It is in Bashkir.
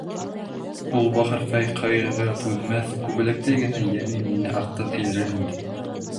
Ул, бахырҡай, ҡайғыға түҙмәҫ, күбәләктәй генә йәне минең арттан эйәрер инде.